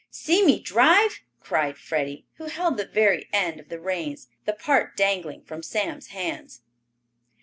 "See me drive!" cried Freddie, who held the very end of the reins, the part dangling from Sam's hands.